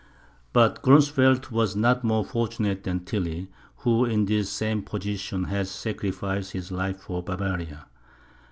But Gronsfeld was not more fortunate than Tilly, who, in this same position, had sacrificed his life for Bavaria.